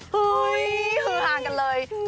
เฮ้ยคือห้างกันเลย